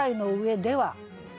「では」